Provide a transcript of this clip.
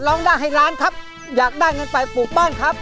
เพลงนี้อยู่ในอาราบัมชุดแรกของคุณแจ็คเลยนะครับ